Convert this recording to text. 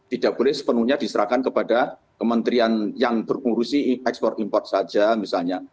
tidak boleh sepenuhnya diserahkan kepada kementerian yang berurusi ekspor import saja misalnya